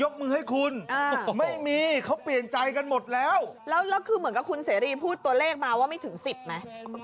คือเหมือนกับคุณเสรีพูดตัวเลขมาว่าไม่ถึงสิบไหม